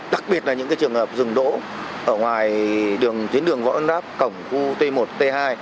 đặc biệt là những trường hợp dừng đỗ ở ngoài tuyến đường võ ân đáp cổng khu t một t hai